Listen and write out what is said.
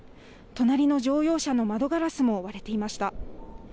隣の乗用車の窓ガラスも割れていました。